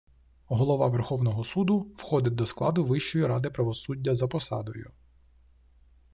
Голова Верховного Суду входить до складу Вищої ради правосуддя за посадою.